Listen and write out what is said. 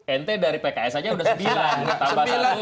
ente dari pks aja udah sembilan